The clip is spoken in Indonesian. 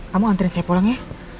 kamu antrian saya pulang ya